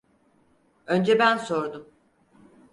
Önce ben sordum.